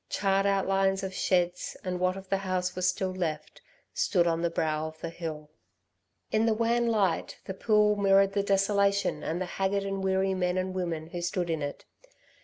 Charred outlines of sheds and what of the house was still left, stood on the brow of the hill. In the wan light, the pool mirrored the desolation and the haggard and weary men and women who stood in it.